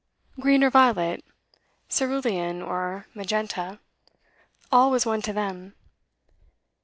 Green or violet, cerulean or magenta, all was one to them.